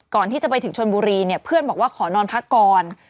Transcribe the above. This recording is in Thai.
ก่อนที่จะไปถึงชนบุรีเนี่ยเพื่อนบอกว่าขอนอนพักก่อน